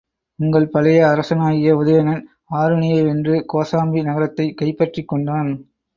உங்கள் பழைய அரசனாகிய உதயணன், ஆருணியை வென்று, கோசாம்பி நகரத்தைக் கைப்பற்றிக் கொண்டான்.